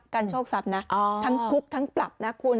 โชคทรัพย์นะทั้งคุกทั้งปรับนะคุณ